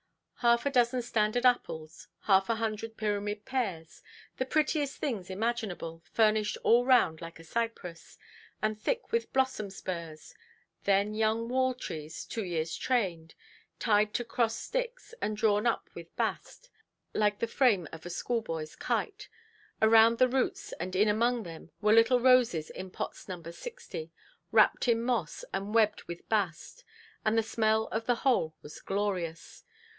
Half a dozen standard apples; half a hundred pyramid pears, the prettiest things imaginable, furnished all round like a cypress, and thick with blossom–spurs; then young wall–trees, two years' trained, tied to crossed sticks, and drawn up with bast, like the frame of a schoolboyʼs kite; around the roots and in among them were little roses in pots No. 60, wrapped in moss, and webbed with bast; and the smell of the whole was glorious.